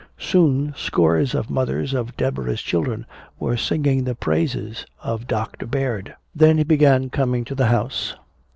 Soon scores of the mothers of Deborah's children were singing the praises of Doctor Baird. Then he began coming to the house.